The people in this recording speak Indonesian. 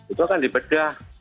itu akan di bedah